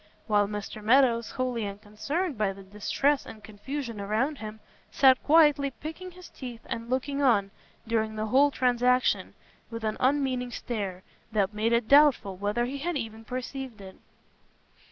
While Mr Meadows, wholly unconcerned by the distress and confusion around him, sat quietly picking his teeth, and looking on, during the whole transaction, with an unmeaning stare, that made it doubtful whether he had even perceived it.